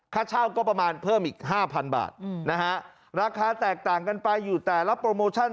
ค่าเช่าก็ประมาณเพิ่มอีกห้าพันบาทนะฮะราคาแตกต่างกันไปอยู่แต่ละโปรโมชั่น